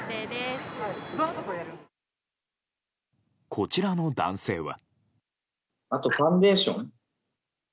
こちらの男性は。